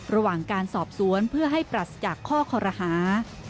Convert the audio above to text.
ระหว่างการสอบสวนเพื่อให้ปรัสจากข้อคอรหา